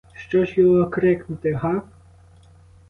Що ж його крикнути, га?